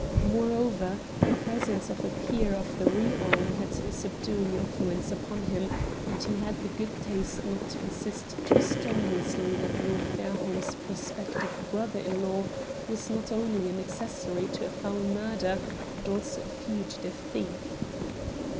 Moreover, the presence of a peer of the realm had a subduing influence upon him, and he had the good taste not to insist too strenuously that Lord Fairholme's prospective brother in law was not only an accessory to a foul murder, but also a fugitive thief.